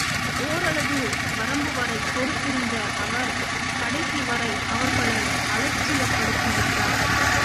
ஓரளவு வரம்பு வரைப் பொறுத்திருந்த அவர், கடைசிவரை அவர்களை அலட்சியப்படுத்தி விட்டார்.